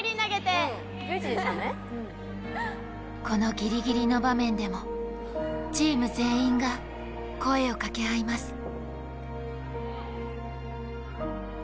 このギリギリの場面でもチーム全員が声をかけ合います。